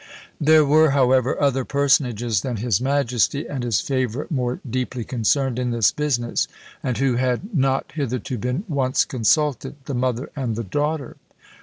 There were, however, other personages than his majesty and his favourite more deeply concerned in this business, and who had not hitherto been once consulted the mother and the daughter!